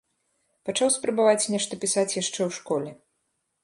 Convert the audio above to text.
Пачаў спрабаваць нешта пісаць яшчэ ў школе.